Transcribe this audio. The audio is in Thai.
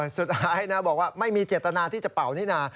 สุดท้ายนะบอกว่าไม่มีเจตนาที่จะเป่านี่นา